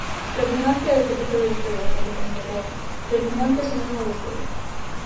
Repugnancia é o que produce vostede, alcalde Conde Roa, repugnancia é sinónimo de vostede.